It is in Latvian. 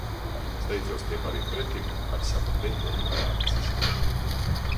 Steidzos tiem arī pretim ar savu pēdējo narcisi.